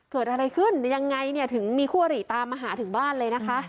เกิดอะไรขึ้นยังไงเนี่ยถึงมีคู่อริตามมาหาถึงบ้านเลยนะคะ